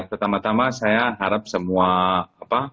pertama tama saya harap semua penonton dan keluarganya